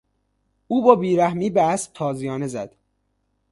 او با بیرحمی به اسب تازیانه زد.